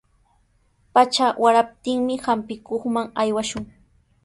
Pacha waraptinmi hampikuqman aywashun.